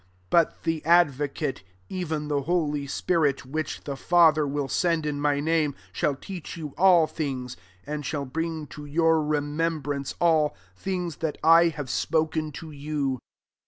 26 But the advocate, even the holy spirit which the Father will send in my name, shall teach you all things, and shall bring to your remembrance all things that I have spoken to you.